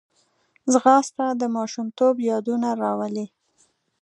ځغاسته د ماشومتوب یادونه راولي